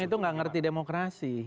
ya orang itu nggak ngerti demokrasi